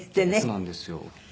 そうなんですよ。